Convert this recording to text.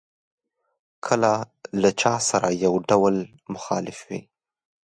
کله له چا سره یو ډول مخالف وي.